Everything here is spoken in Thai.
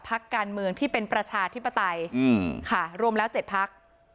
พักการเมืองที่เป็นประชาธิปไตยค่ะรวมแล้ว๗พัก